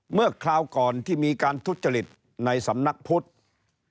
คราวก่อนที่มีการทุจริตในสำนักพุทธ